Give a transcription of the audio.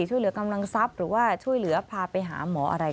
ช่วยเหลือกำลังทรัพย์หรือว่าช่วยเหลือพาไปหาหมออะไร